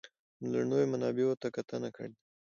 د لومړنیو منابعو ته کتنه کړې ده.